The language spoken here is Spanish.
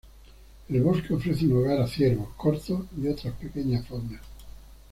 El bosque ofrece un hogar a ciervos, corzos y otra pequeña fauna.